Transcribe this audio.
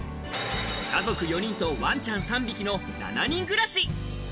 家族４人とワンちゃん３匹の７人暮らし。